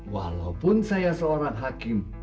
walaupun saya seorang hakim